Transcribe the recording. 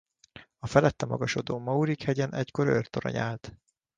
A felette magasodó Murik-hegyen egykor őrtorony állt.